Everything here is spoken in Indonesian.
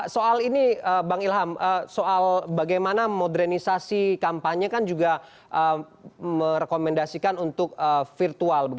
soal ini bang ilham soal bagaimana modernisasi kampanye kan juga merekomendasikan untuk virtual